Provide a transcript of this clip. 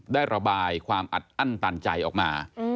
ระบายความอัดอั้นตันใจออกมา